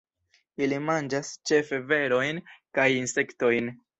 Ili manĝas ĉefe berojn kaj insektojn.